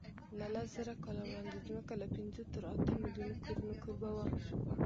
له لسزره کاله وړاندې ځمکه له پینځو تر اتو میلیونو کورونو کوربه وه.